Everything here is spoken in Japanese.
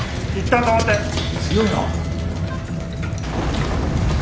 強いな。